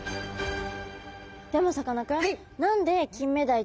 でもさかなクン